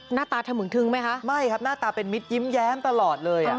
หน้าตาถมึงทึงไหมคะไม่ครับหน้าตาเป็นมิตรยิ้มแย้มตลอดเลยอ่ะ